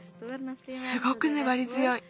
すごくねばりづよい。